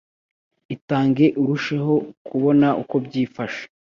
itange urusheho kubona uko byifashe